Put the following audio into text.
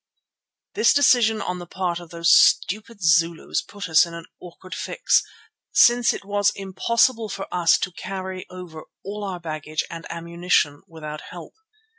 This decision on the part of those stupid Zulus put us in an awkward fix, since it was impossible for us to carry over all our baggage and ammunition without help.